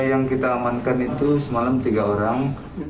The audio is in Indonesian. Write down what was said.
yang kita amankan itu semalam tiga orang